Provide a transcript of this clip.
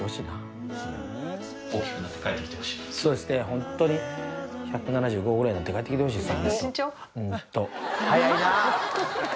ホントに１７５ぐらいになって帰ってきてほしいです